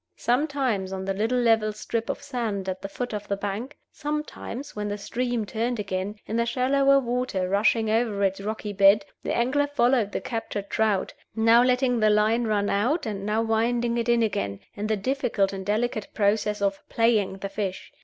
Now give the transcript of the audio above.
Sometimes on the little level strip of sand at the foot of the bank, sometimes (when the stream turned again) in the shallower water rushing over its rocky bed, the angler followed the captured trout, now letting the line run out and now winding it in again, in the difficult and delicate process of "playing" the fish.